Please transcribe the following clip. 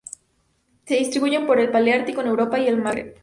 Se distribuyen por el paleártico en Europa y el Magreb.